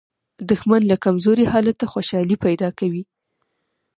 دښمن له کمزوري حالته خوشالي پیدا کوي